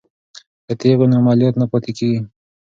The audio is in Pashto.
که تیغ وي نو عملیات نه پاتې کیږي.